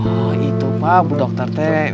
oh itu pak bu dokter teh